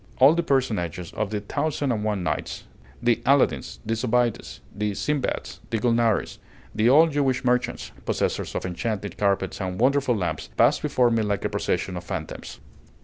All the personages of the 'Thousand and One Nights,' the Aladdins, the Zobeides, the Sindbads, the Gulnares, the old Jewish merchants, possessors of enchanted carpets and wonderful lamps, passed before me like a procession of phantoms.